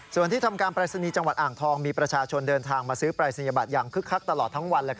ส่วนที่ทำการปรายศนีย์จังหวัดอ่างทองมีประชาชนเดินทางมาซื้อปรายศนียบัตรอย่างคึกคักตลอดทั้งวัน